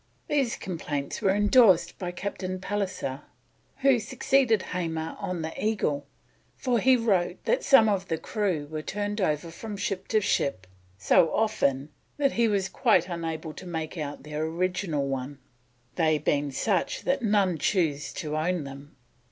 These complaints were endorsed by Captain Pallisser, who succeeded Hamar on the Eagle, for he wrote that some of the crew were turned over from ship to ship so often that he was quite unable to make out their original one: "they being such that none choose to own them.